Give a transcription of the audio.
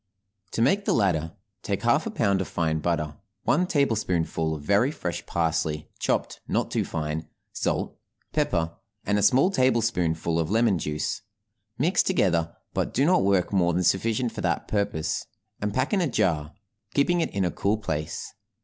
To make the latter, take half a pound of fine butter, one tablespoonful of very fresh parsley, chopped not too fine, salt, pepper, and a small tablespoonful of lemon juice; mix together, but do not work more than sufficient for that purpose, and pack in a jar, keeping it in a cool place.